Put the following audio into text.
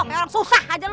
kayak orang susah aja lo